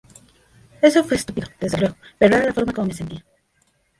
Eso fue estúpido, desde luego, pero era la forma cómo me sentía.